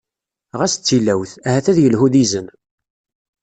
Ɣas d tilawt, ahat ad yelhu d izen.